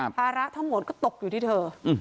ภาระทั้งหมดก็ตกอยู่ที่เธอ